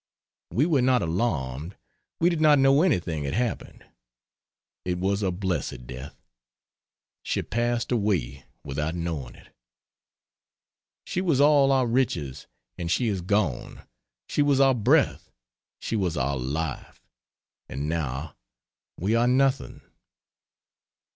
We were not alarmed, we did not know anything had happened. It was a blessed death she passed away without knowing it.) She was all our riches and she is gone: she was our breath, she was our life and now we are nothing.